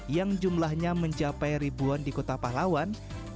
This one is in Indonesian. yang jumlahnya mencapai ribuan di kota pahlawan